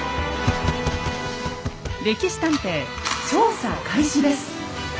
「歴史探偵」調査開始です。